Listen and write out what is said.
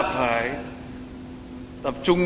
phải tập trung